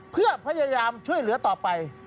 เพื่อพยายามช่วยเหลือต่อไป